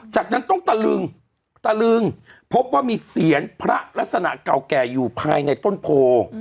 จากนั้นต้องตะลึงตะลึงพบว่ามีเสียงพระลักษณะเก่าแก่อยู่ภายในต้นโพ